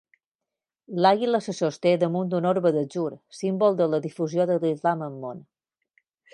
L'àguila se sosté damunt un orbe d'atzur, símbol de la difusió de l'islam al món.